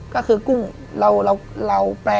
ถูก